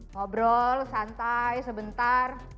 ngobrol santai sebentar